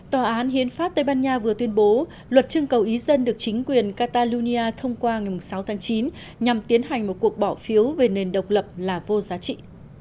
tòa án hiến pháp tây ban nha vừa tuyên bố luật chương cầu ý dân được chính quyền catalonia thông qua ngày sáu tháng chín nhằm tiến hành một cuộc bỏ phiếu về nền độc lập là vô giá trị